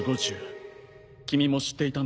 君も知っていたんだね。